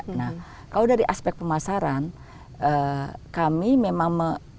nah kalau dari aspek pemasaran kami memang